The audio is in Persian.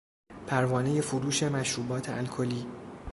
پروانهی فروش مشروبات الکلی